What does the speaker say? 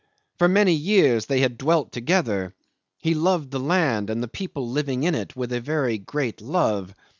For many years they had dwelt together. He loved the land and the people living in it with a very great love.